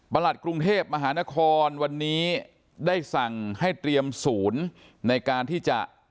หลัดกรุงเทพมหานครวันนี้ได้สั่งให้เตรียมศูนย์ในการที่จะ